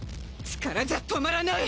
力じゃ止まらない。